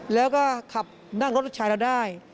แล้วก็ขับนั่งรถลูกชายเราได้